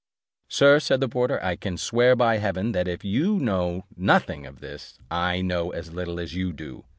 "Sir," said the porter, "I can swear by heaven, that if you know nothing of all this, I know as little as you do.